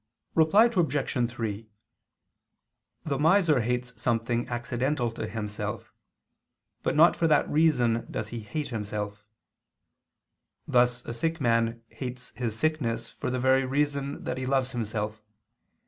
Reply Obj. 3: The miser hates something accidental to himself, but not for that reason does he hate himself: thus a sick man hates his sickness for the very reason that he loves himself.